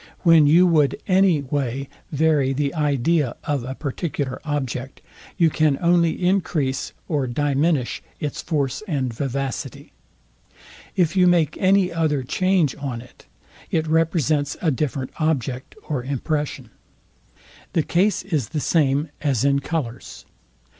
When you would any way vary the idea of a particular object, you can only encrease or diminish its force and vivacity. If you make any other change on it, it represents a different object or impression. The case is the same as in colours.